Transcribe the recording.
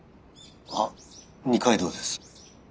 あっ二階堂です。